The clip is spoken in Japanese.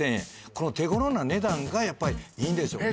この手ごろな値段がやっぱりいいんでしょうね